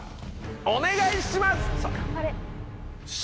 お願いします！